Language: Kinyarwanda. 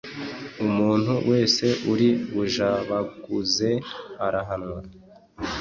umuntu wese uri bujabaguze arahanwa